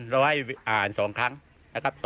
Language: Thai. เราให้อ่าน๒ครั้งนะครับ